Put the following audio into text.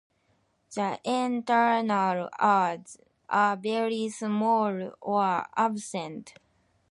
The external ears are very small or absent.